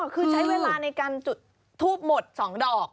คือใช้เวลาในการจุดทูบหมด๒ดอก